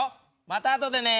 またあとでね！